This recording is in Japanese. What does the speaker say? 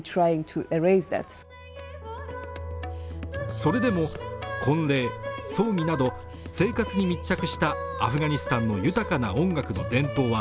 それでも婚礼、葬儀など生活に密着したアフガニスタンの豊かな音楽の伝統は